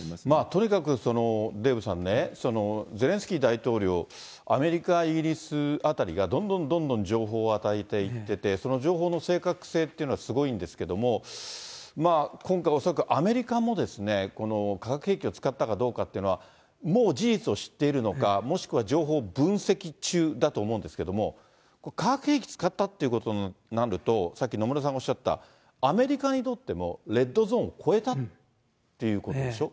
とにかくデーブさんね、ゼレンスキー大統領、アメリカ、イギリスあたりがどんどんどんどん情報を与えていってて、その情報の正確性っていうのはすごいんですけれども、今回、恐らくアメリカも、この化学兵器を使ったかどうかっていうのは、もう事実を知っているのか、もしくは情報を分析中だと思うんですけれども、化学兵器使ったっていうことになると、さっき野村さんがおっしゃった、アメリカにとっても、レッドゾーンを超えたってことでしょ。